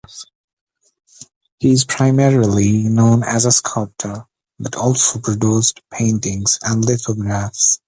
He is primarily known as a sculptor, but also produced paintings and lithographs.